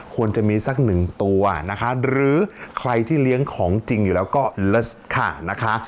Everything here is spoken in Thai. ควรจะมีสักหนึ่งตัวนะคะหรือใครที่เลี้ยงของจริงอยู่แล้วก็เลิศค่ะนะคะ